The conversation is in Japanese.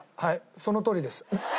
そのとおりです。